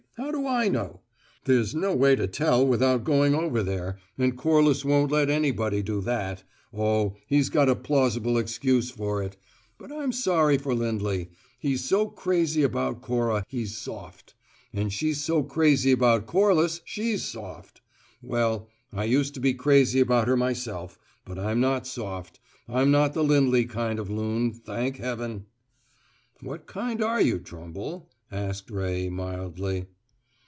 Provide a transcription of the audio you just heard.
How do I know? There's no way to tell, without going over there, and Corliss won't let anybody do that oh, he's got a plausible excuse for it! But I'm sorry for Lindley: he's so crazy about Cora, he's soft. And she's so crazy about Corliss she's soft! Well, I used to be crazy about her myself, but I'm not soft I'm not the Lindley kind of loon, thank heaven!" "What kind are you, Trumble?" asked Ray, mildly.